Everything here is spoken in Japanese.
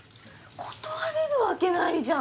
断れるわけないじゃん。